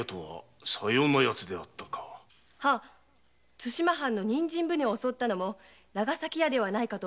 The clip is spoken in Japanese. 対馬藩の人参船を襲ったのも長崎屋ではないかと。